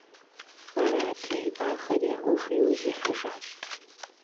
Арати, ахэр я Ӏуэху и ужь ихьэжащ.